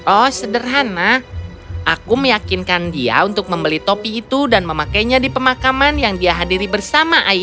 oh sederhana aku meyakinkan dia untuk membeli topi itu dan memakainya di pemakaman yang dia hadiri bersama ayahnya